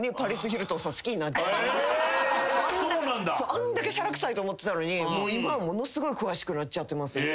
あんだけしゃらくさいと思ってたのに今ものすごい詳しくなっちゃってます。